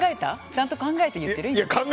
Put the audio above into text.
ちゃんと考えて言ってる？